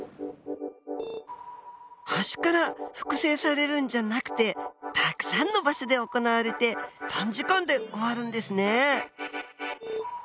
端から複製されるんじゃなくてたくさんの場所で行われて短時間で終わるんですね。